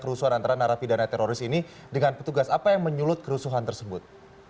kerusuhan antara narapidana teroris ini dengan petugas apa yang menyulut kerusuhan tersebut